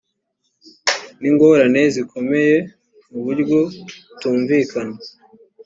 n ingorane zikomeye mu buryo butumvikana